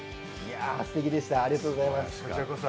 すてきでした、ありがとうございました。